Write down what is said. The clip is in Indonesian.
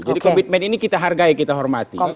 jadi komitmen ini kita hargai kita hormati